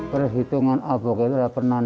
perhitungan abogai adalah penandaan